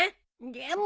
でも。